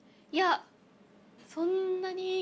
いやそんなに。